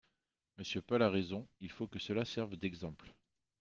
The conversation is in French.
Monsieur Paul a raison, il faut que cela serve d’exemple